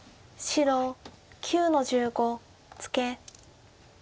白９の十五ツケ。